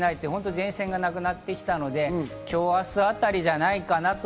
前線がなくなってきたので、今日、明日あたりじゃないかなと。